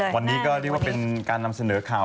วันนี้ก็เรียกว่าเป็นการนำเสนอข่าว